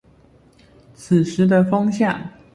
此時的風向